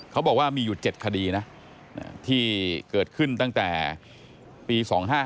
เขาบอกว่ามีอยู่๗คดีนะที่เกิดขึ้นตั้งแต่ปี๒๕๕